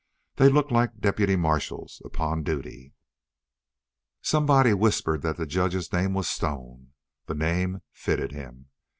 They looked like deputy marshals upon duty. Somebody whispered that the judge's name was Stone. The name fitted him.